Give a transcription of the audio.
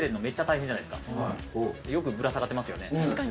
よくぶら下がってますよね。